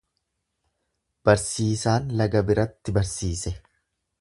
Barsiisaan laga biratti barsiise.